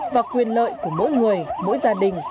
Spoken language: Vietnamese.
và quyền lợi của mỗi người mỗi gia đình